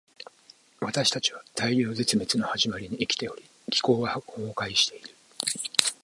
私たちは大量絶滅の始まりに生きており、気候は崩壊している。